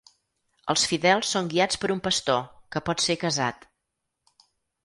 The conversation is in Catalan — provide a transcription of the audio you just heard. Els fidels són guiats per un pastor, que pot ser casat.